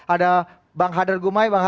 ada bang hadar gumai